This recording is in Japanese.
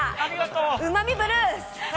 うまみブルース。